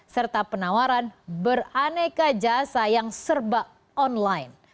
serta penawaran beraneka jasa yang serba online